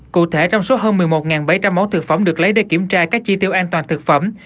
cụ thể trong số hơn một mươi một bảy trăm linh mẫu thực phẩm được lấy để kiểm tra các chi tiêu an toàn thực phẩm